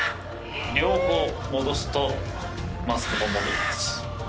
両方戻すとマスクも戻ります。